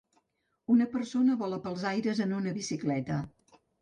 Una persona vola pels aires en una bicicleta.